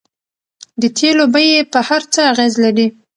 د تیلو بیې په هر څه اغیز لري.